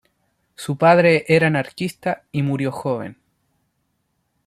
Su padre era anarquista y murió joven.